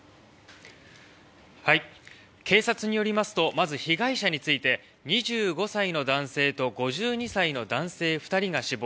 警察によりますとまず被害者について２５歳の男性と５２歳の男性２人が死亡。